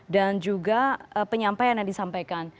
dan juga penyampaian yang disampaikan